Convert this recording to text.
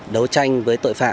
đấu tranh với tội phạm